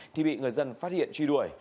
thì bị người dân phát hiện truy đuổi